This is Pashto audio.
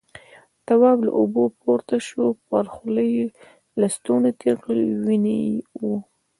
تواب له اوبو پورته شو، پر خوله يې لستوڼی تېر کړ، وينې وه.